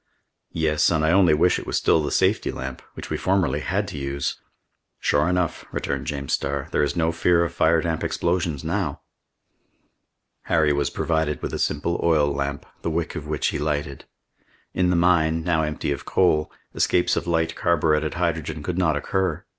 "Yes, and I only wish it was still the safety lamp, which we formerly had to use!" "Sure enough," returned James Starr, "there is no fear of fire damp explosions now!" Harry was provided with a simple oil lamp, the wick of which he lighted. In the mine, now empty of coal, escapes of light carburetted hydrogen could not occur.